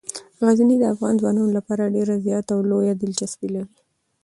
غزني د افغان ځوانانو لپاره ډیره زیاته او لویه دلچسپي لري.